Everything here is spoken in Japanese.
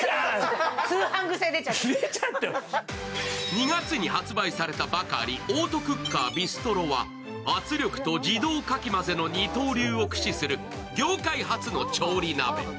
２月に発売されたばかり、オートクッカービストロは、圧力と自動かき混ぜの二刀流を駆使する業界初の調理鍋。